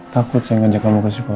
takut saya ngajak kamu ke sekolah